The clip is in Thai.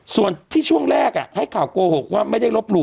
ส่วนที่ช่วงแรกให้ข่าวโกหกว่าไม่ได้ลบหลู